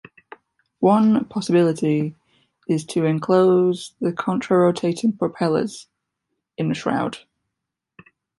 One possibility is to enclose the contra-rotating propellers in a shroud.